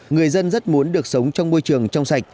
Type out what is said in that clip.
người dân rất muốn được sống trong môi trường trong sạch